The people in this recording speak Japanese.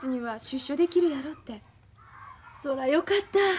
そらよかった。